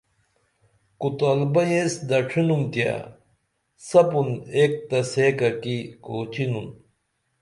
کوتال بئیں ایس دڇھینُم تیہ سپُں ایک تہ سیکہ کی کوچینُن